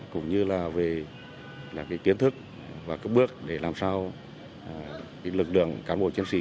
cũng như là về kiến thức và cấp bước để làm sao lực lượng cán bộ chiến sĩ